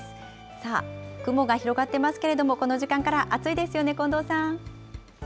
さあ、雲が広がっていますけれども、この時間から暑いですよね、近藤さん。